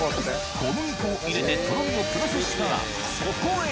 小麦粉を入れてとろみをプラスしたらそこへ！